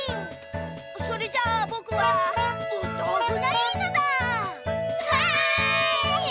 それじゃあぼくはおとうふがいいのだ！わい！